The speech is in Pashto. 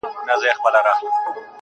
راسه د زړه د سکون غيږي ته مي ځان وسپاره.